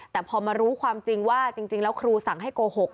แต่พอมารู้ความจริงว่าจริงแล้วครูสั่งให้โกหก